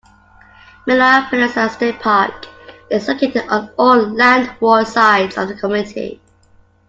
Miller Peninsula State Park is located on all landward sides of the community.